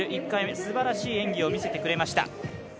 １回目、すばらしい演技を見せてくれました。